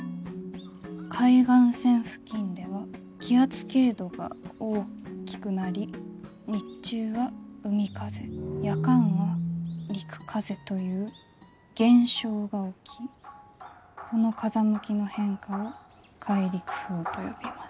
「海岸線付近では気圧傾度が大きくなり日中は海風夜間は陸風という現象が起きこの風向きの変化を海陸風と呼びます」。